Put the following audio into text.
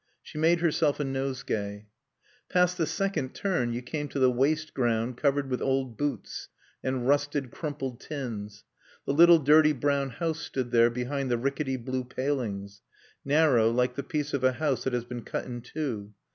She made herself a nosegay. Past the second turn you came to the waste ground covered with old boots and rusted, crumpled tins. The little dirty brown house stood there behind the rickety blue palings; narrow, like the piece of a house that has been cut in two.